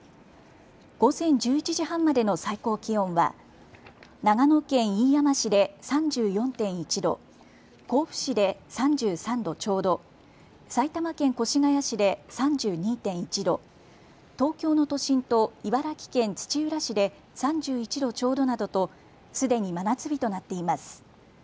午前１１時半までの最高気温は長野県飯山市で３４．１度、甲府市で３３度ちょうど、埼玉県越谷市で３２．１度、東京の都心と茨城県土浦市で３１度ちょうどなどとすでに真夏日となっています。